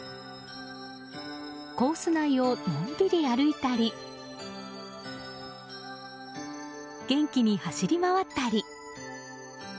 コース内をのんびり歩いたり元気に走り回ったり。